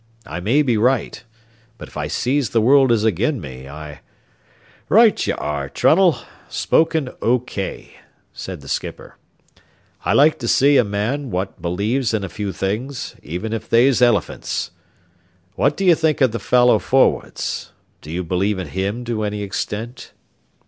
I may be right, but if I sees the world is agin me, I " "Right ye are, Trunnell. Spoken O.K." said the skipper. "I like to see a man what believes in a few things even if they's eliphints. What do you think of the fellow forrads? Do you believe in him to any extent?"